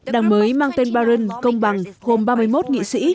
đảng mới mang tên barrin công bằng gồm ba mươi một nghị sĩ